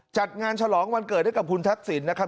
จัดงานฉลองวันเกิดให้กับคุณทักษิณนะครับ